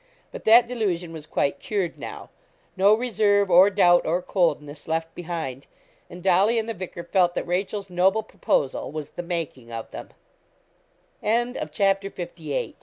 But that delusion was quite cured now no reserve, or doubt, or coldness left behind. And Dolly and the vicar felt that Rachel's noble proposal was the making of them. CHAPTER LIX. AN ENEMY IN REDMAN'S DELL. Jos.